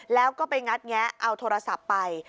แล้วก็ไปงัดแงะเอาโทรศัพท์ไป